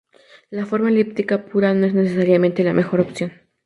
La forma elíptica pura no es, necesariamente, la mejor opción.